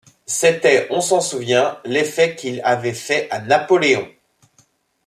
C’était, on s’en souvient, l’effet qu’il avait fait à Napoléon.